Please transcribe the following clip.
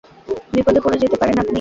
বিপদে পড়ে যেতে পারেন আপনি।